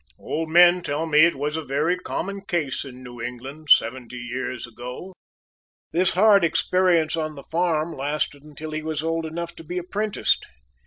Old men tell me it was a very common case in New England seventy years ago. This hard experience on the farm lasted until he was old enough to be apprenticed.